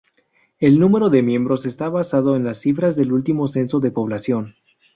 El número de miembros está basado en las cifras del último censo de población.